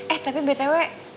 eh tapi btw